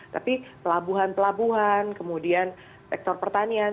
tapi pelabuhan pelabuhan kemudian sektor pertanian